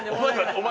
お前。